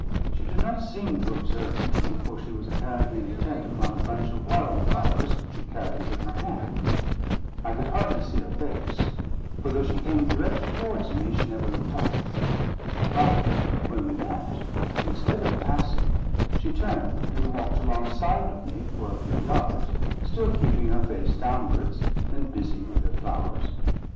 She did not seem to observe me, for she was apparently intent upon a bunch of wild flowers which she carried in her hand. I could hardly see her face; for, though she came direct towards me, she never looked up. But when we met, instead of passing, she turned and walked alongside of me for a few yards, still keeping her face downwards, and busied with her flowers.